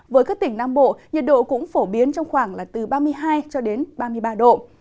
với các tỉnh nam bộ nhiệt độ cũng phổ biến trong khoảng từ ba mươi hai ba mươi ba độ